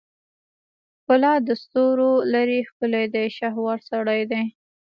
ښکلا دستورولري ښکلی دی شهوار سړی دی